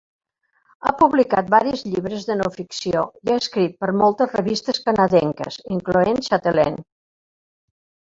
Ha publicat varis llibres de no-ficció i ha escrit per moltes revistes canadenques, incloent "Chatelaine".